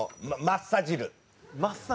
マッサジル？